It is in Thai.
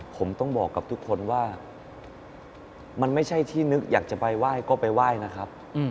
ผมต้องบอกกับทุกคนว่ามันไม่ใช่ที่นึกอยากจะไปไหว้ก็ไปไหว้นะครับ